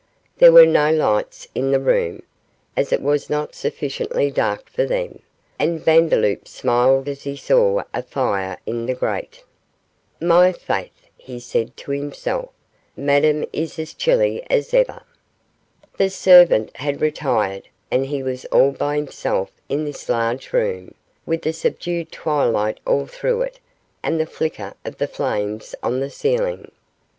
There were no lights in the room, as it was not sufficiently dark for them, and Vandeloup smiled as he saw a fire in the grate. 'My faith!' he said to himself, 'Madame is as chilly as ever.' The servant had retired, and he was all by himself in this large room, with the subdued twilight all through it, and the flicker of the flames on the ceiling.